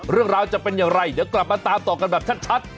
เรื่องราวจะเป็นอย่างไรเดี๋ยวกลับมาตามต่อกันแบบชัด